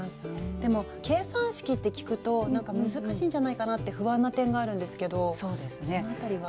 でも計算式って聞くとなんか難しいんじゃないかなって不安な点があるんですけどその辺りは。